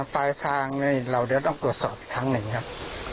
ปลายทางนี่เราเดี๋ยวต้องตรวจสอบอีกครั้งหนึ่งครับ